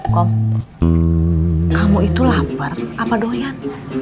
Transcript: kom kamu itu lapar apa doyan